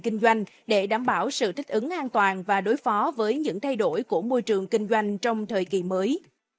kinh doanh để đảm bảo sự thích ứng an toàn và đối phó với những thay đổi của môi trường kinh doanh trong thời kỳ mới